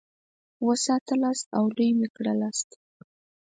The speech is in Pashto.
وساتلاست او لوی مي کړلاست.